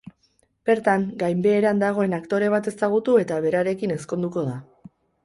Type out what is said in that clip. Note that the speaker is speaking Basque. Bertan, gainbeheran dagoen aktore bat ezagutu eta berarekin ezkonduko da.